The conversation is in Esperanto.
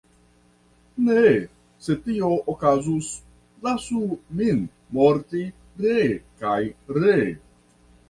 Ne, se tio okazus, lasu min morti ree kaj ree."".